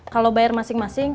kalau bayar masing masing